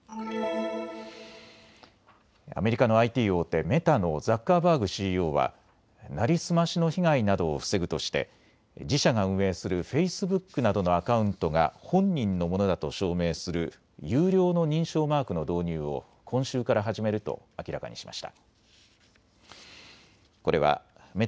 アメリカのＩＴ大手、メタのザッカーバーグＣＥＯは成り済ましの被害などを防ぐとして自社が運営するフェイスブックなどのアカウントが本人のものだと証明する有料の認証マークの導入を今週から始めると明らかにしました。